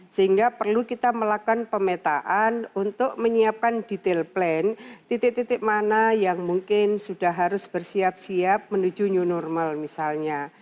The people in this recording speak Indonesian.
sehingga perlu kita melakukan pemetaan untuk menyiapkan detail plan titik titik mana yang mungkin sudah harus bersiap siap menuju new normal misalnya